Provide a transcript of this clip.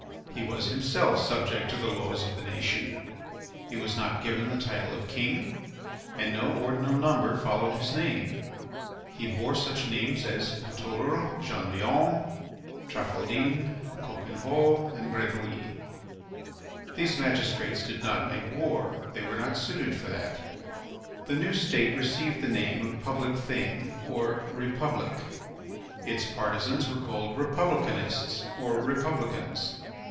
He was himself subject to the laws of the nation. He was not given the title of king, and no ordinal number followed his name. He bore such names as Paturle, Janvion, Traffaldin, Coquenhot, and Bredouille. These magistrates did not make war. They were not suited for that. The new state received the name of Public Thing or Republic. Its partisans were called republicanists or republicans.